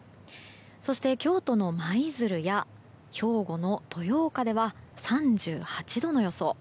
そして、京都の舞鶴や兵庫の豊岡では３８度の予想。